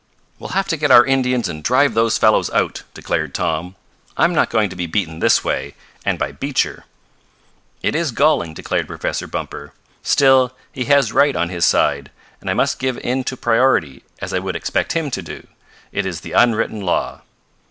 "We'll have to get our Indians and drive those fellows out!" declared Tom. "I'm not going to be beaten this way and by Beecher!" "It is galling," declared Professor Bumper. "Still he has right on his side, and I must give in to priority, as I would expect him to. It is the unwritten law."